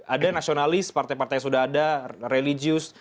ada nasionalis partai partai yang sudah ada religius